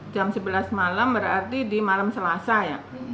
jam sebelas malam berarti di malam selasa ya